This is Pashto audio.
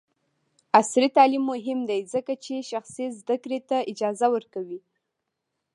عصري تعلیم مهم دی ځکه چې شخصي زدکړې ته اجازه ورکوي.